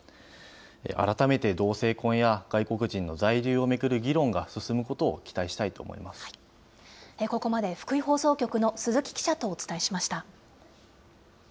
改めて同性婚や外国人の在留を巡る議論が進むことを期待したいとここまで福井放送局の鈴木記者とお伝えしました。